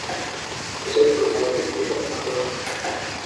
eso es porque a veces dicen una cosa